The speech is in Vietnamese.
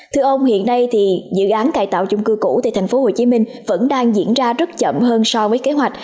thưa ông hiện nay dự án cài tạo chung cư cũ tại thành phố hồ chí minh vẫn đang diễn ra rất chậm hơn so với kế hoạch